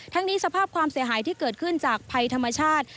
นี้สภาพความเสียหายที่เกิดขึ้นจากภัยธรรมชาติ